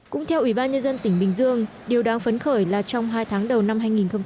cũng theo ubnd tỉnh bình dương điều đáng phấn khởi là trong hai tháng đầu năm hai nghìn một mươi tám